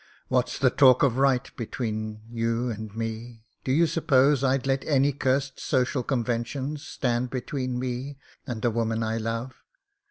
"What's the talk of right between you and me ? Do you suppose Til let any cursed social conventions stand between me and the woman I love?"